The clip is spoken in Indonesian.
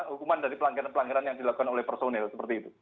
hukuman dari pelanggaran pelanggaran yang dilakukan oleh personil seperti itu